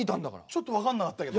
ちょっと分かんなかったけど。